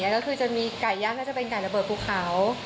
ก็คือจะมีไก่ย่างก็จะเป็นไก่ระเบิดภูเขา